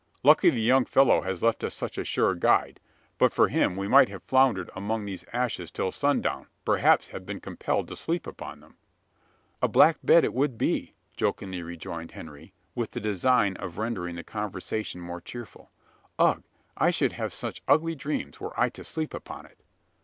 Lucky the young fellow has left us such a sure guide. But for him, we might have floundered among these ashes till sundown; perhaps have been compelled to sleep upon them." "A black bed it would be," jokingly rejoined Henry, with the design of rendering the conversation more cheerful. "Ugh! I should have such ugly dreams, were I to sleep upon it."